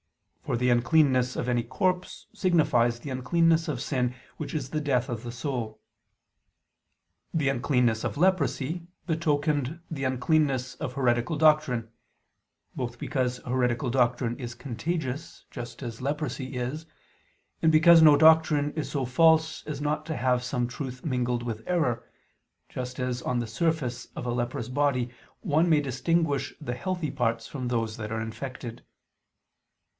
For the uncleanness of any corpse signifies the uncleanness of sin, which is the death of the soul. The uncleanness of leprosy betokened the uncleanness of heretical doctrine: both because heretical doctrine is contagious just as leprosy is, and because no doctrine is so false as not to have some truth mingled with error, just as on the surface of a leprous body one may distinguish the healthy parts from those that are infected.